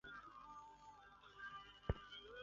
台南县政府遂将佳里糖厂列为首要转型地点之一。